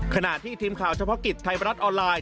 ขณะที่ทีมข่าวเฉพาะกิจไทยรัฐออนไลน์